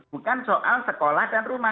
bukan soal sekolah dan rumah